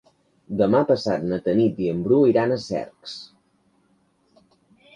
Demà passat na Tanit i en Bru iran a Cercs.